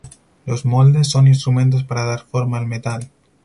Los "moldes" son instrumentos para dar forma al metal.